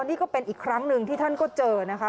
นี่ก็เป็นอีกครั้งหนึ่งที่ท่านก็เจอนะคะ